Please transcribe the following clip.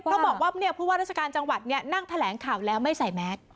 เพราะบอกว่าเนี่ยเพราะว่าราชการจังหวัดเนี่ยนั่งแถลงข่าวแล้วไม่ใส่แม็กซ์